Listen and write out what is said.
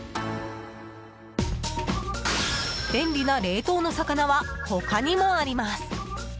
便利な冷凍の魚は他にもあります。